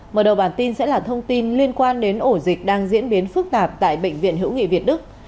mở đầu bản tin sẽ là thông tin liên quan đến ổ dịch đang diễn biến phức tạp tại bệnh viện hữu nghị việt đức